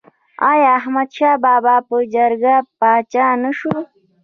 آیا احمد شاه بابا په جرګه پاچا نه شو؟